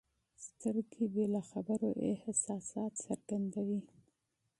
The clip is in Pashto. سترګې بې له خبرو احساسات څرګندوي.